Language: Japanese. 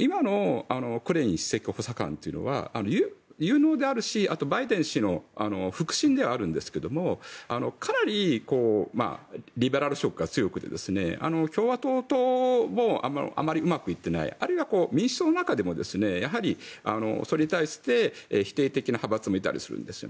今のクレイン首席補佐官というのは有能であるしバイデン氏の腹心ではありますがかなりリベラル色が強くて共和党とあまりうまくいっていないあるいは民主党の中でもそれに対して否定的な派閥もいたりするんです。